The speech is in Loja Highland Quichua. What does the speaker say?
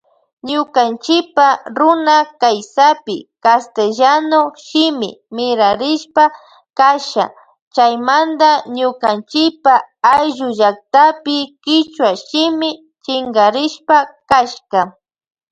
Ñukanchipa runakaysapi castellano shimi mirarishpa kasha chaymanta nukanchipa ayllu llaktapi kichwa shimi shinkarispa kashka.